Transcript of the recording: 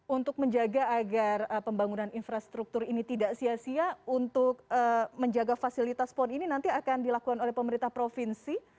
untuk menjaga agar pembangunan infrastruktur ini tidak sia sia untuk menjaga fasilitas pon ini nanti akan dilakukan oleh pemerintah provinsi